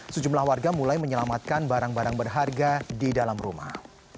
sejumlah warga mulai menyelamatkan barang barang berharga di dalam rumah